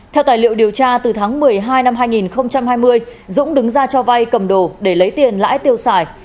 theo tài liệu điều tra từ tháng một mươi hai năm hai nghìn hai mươi dũng đứng ra cho vay cầm đồ để lấy tiền lãi tiêu xài